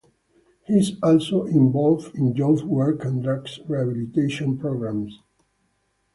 He is also involved in youth work and drugs rehabilitation programmes.